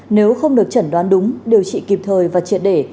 nếu không được chẩn đoán đúng điều trị kịp thời và triệt để